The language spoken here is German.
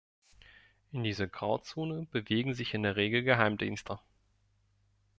In dieser Grauzone bewegen sich in der Regel Geheimdienste.